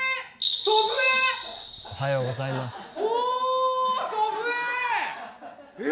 おはようございますおっ！